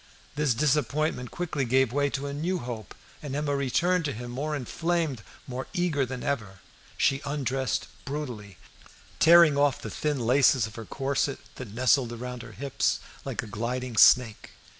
This disappointment quickly gave way to a new hope, and Emma returned to him more inflamed, more eager than ever. She undressed brutally, tearing off the thin laces of her corset that nestled around her hips like a gliding snake.